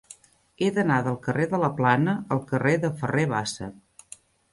He d'anar del carrer de la Plana al carrer de Ferrer Bassa.